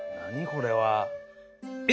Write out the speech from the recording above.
これは。え？